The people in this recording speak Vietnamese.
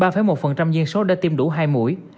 ba một viên số đã tiêm đủ hai mũi